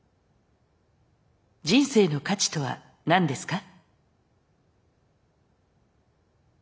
人生の価値とは何ですか？